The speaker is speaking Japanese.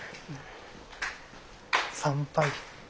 参拝。